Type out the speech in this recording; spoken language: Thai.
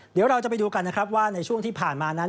เดี๋ยวเราจะไปดูกันนะครับว่าในช่วงที่ผ่านมานั้น